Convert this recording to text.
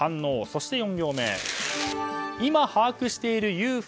そして４行目いま把握しているＵＦＯは？